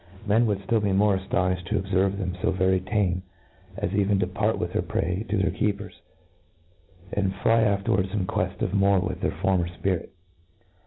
Men would be ftifl more aftonifhed to obferve them fo very tame as even to part with theii" prey to their keepers, and fly afterwards in queft of more with their former fpirit.